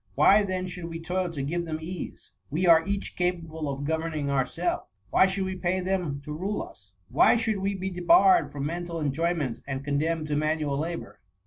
Why then should we toil to give them ease? We are each capable of governing ' ourselves. Why should we pay them to rule us ? Why should we be debarred from mental enjoyments and condemned to manual labour?